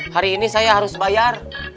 hari ini saya harus bayar